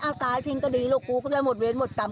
เอาตายทิ้งก็ดีลูกกูก็ได้หมดเวรหมดกรรม